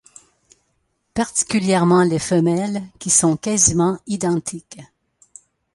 Particulièrement les femelles qui sont quasiment identiques.